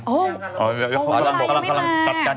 โอ๋ไลน์หยังไม่มานะครับเขาตัดแปลง